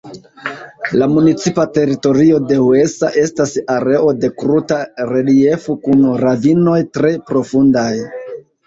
La municipa teritorio de Huesa estas areo de kruta reliefo kun ravinoj tre profundaj.